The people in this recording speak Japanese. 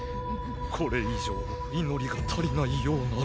これ以上祈りが足りないようなら。